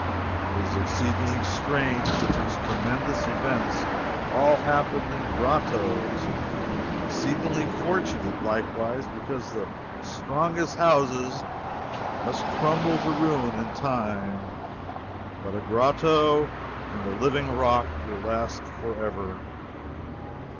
It is exceedingly strange that these tremendous events all happened in grottoes and exceedingly fortunate, likewise, because the strongest houses must crumble to ruin in time, but a grotto in the living rock will last forever.